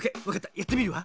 やってみるわ。